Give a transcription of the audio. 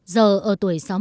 giờ ở tù trọng